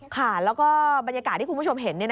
ค่ะแล้วก็บรรยากาศที่คุณผู้ชมเห็น